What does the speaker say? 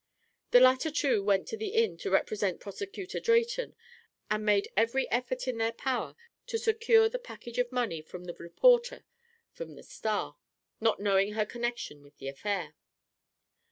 The latter two went to the inn to represent Prosecutor Drayton, and made every effort in their power to secure the package of money from the reporter for the Star, not knowing her connection with the affair."